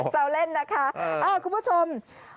แซวเล่นนะคะคุณผู้ชม